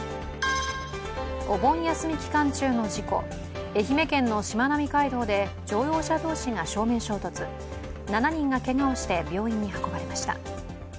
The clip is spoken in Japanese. お盆休み期間中の事故、愛媛県のしまなみ海道で乗用車同士が正面衝突、７人がけがをして病院に運ばれました。